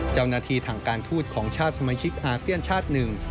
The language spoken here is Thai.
เจ้าหน้าที่ถังการทูตของชาติสมัยชิกอาเซียนชาติหนึ่ง